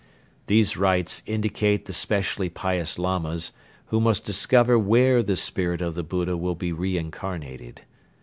These rites indicate the specially pious Lamas who must discover where the Spirit of the Buddha will be re incarnated.